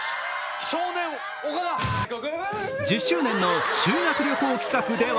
１０周年の修学旅行企画では